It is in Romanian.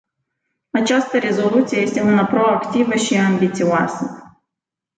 Această rezoluție este una proactivă și ambițioasă.